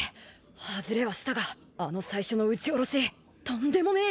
外れはしたがあの最初の打ちおろしとんでもねえ一撃だ。